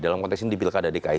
dalam konteks ini di bilkada dki